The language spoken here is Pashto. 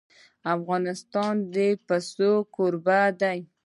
افغانستان د پسه کوربه دی.